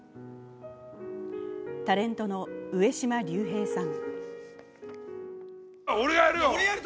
タレントの上島竜兵さん。